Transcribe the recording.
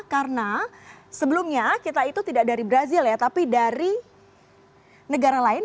karena sebelumnya kita itu tidak dari brazil ya tapi dari negara lain